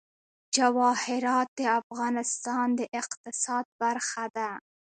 جواهرات د افغانستان د اقتصاد برخه ده.